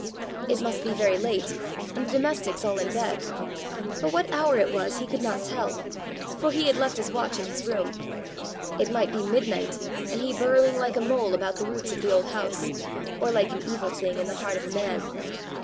It must be very late and the domestics all in bed; but what hour it was he could not tell, for he had left his watch in his room. It might be midnight and he burrowing like a mole about the roots of the old house, or like an evil thing in the heart of a man!